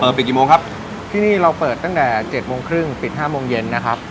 ปิดกี่โมงครับที่นี่เราเปิดตั้งแต่เจ็ดโมงครึ่งปิดห้าโมงเย็นนะครับ